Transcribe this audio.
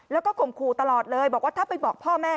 แล้วก็ข่มขู่ตลอดเลยบอกว่าถ้าไปบอกพ่อแม่